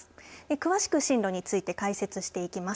詳しく進路について解説していきます。